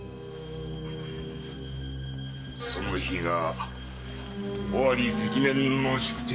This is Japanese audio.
その日が尾張積年の宿敵